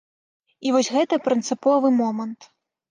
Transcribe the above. І вось гэта прынцыповы момант.